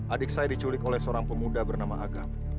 adik saya diculik oleh seorang pemuda bernama agam